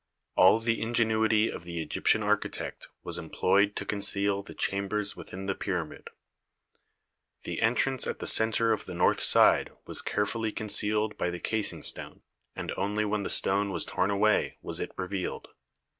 All the ingenuity of the Egyptian architect was employed to conceal the chambers within the pyramid. The entrance at the centre of the north side was carefully concealed by the casing stone, and only when the stone was torn away was it revealed.